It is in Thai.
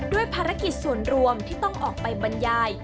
ภารกิจส่วนรวมที่ต้องออกไปบรรยาย